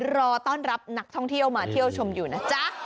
รอต้อนรับนักท่องเที่ยวมาเที่ยวชมอยู่นะจ๊ะ